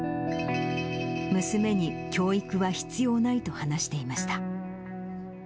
娘に教育は必要ないと話していました。